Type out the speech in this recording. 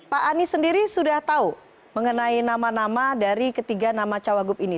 pak anies sendiri sudah tahu mengenai nama nama dari ketiga nama cawagup ini